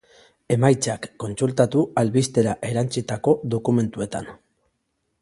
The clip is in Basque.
Emaitzak kontsultatu albistera erantsitako dokumentuetan.